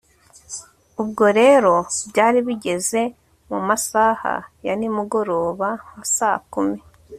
Ubwo rero byari bigeze mu masaha ya nimugoroba nka saa kumi